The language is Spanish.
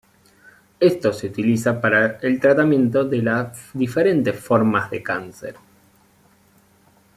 Estos se utilizan para el tratamiento de diferentes formas de cáncer.